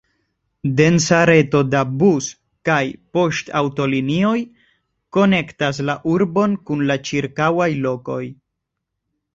Densa reto da bus- kaj poŝtaŭtolinioj konektas la urbon kun la ĉirkaŭaj lokoj.